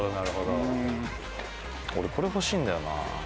俺、これ欲しいんだよな。